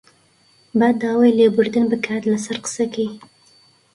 با داوای لێبوردن بکات لەسەر قسەکەی